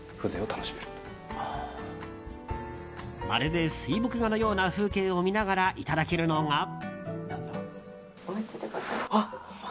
まるで水墨画のような風景を見ながらいただけるのが。